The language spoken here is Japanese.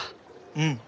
うん。